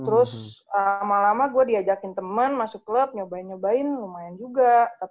terus lama lama gue diajakin temen masuk klub nyobain nyobain lumayan juga